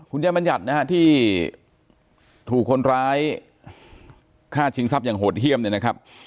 คุณยายบรรยัตน์ที่ถูกคนร้ายฆ่าชิงทรัพย์อย่างโหดเฮียมนะครับ